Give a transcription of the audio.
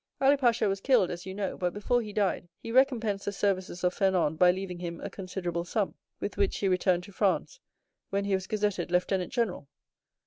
Ali Pasha was killed, as you know, but before he died he recompensed the services of Fernand by leaving him a considerable sum, with which he returned to France, when he was gazetted lieutenant general."